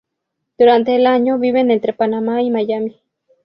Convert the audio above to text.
Durante el año, viven entre Panamá y Miami.